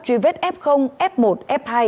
truy vết f f một f hai